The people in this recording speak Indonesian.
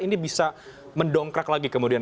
ini bisa mendongkrak lagi kemudian